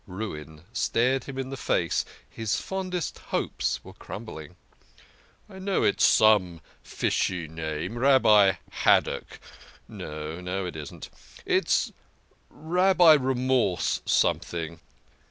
Ruin stared him in the face his fondest hopes were crumbling. "I know its some fishy name Rabbi Haddock no it isn't. It's Rabbi Remorse something."